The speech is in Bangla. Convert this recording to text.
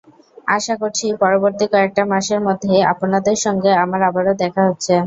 আশা করছি, পরবর্তী কয়েকটা মাসের মধ্যেই আপনাদের সঙ্গে আমার আবারও দেখা হচ্ছে।